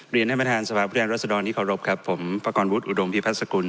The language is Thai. เรียนแท่ประธานสภาพูดแทนรัฐศดรณ์ยิคารบครับผมภกรวุทธ์อุดมพีพรรษกุล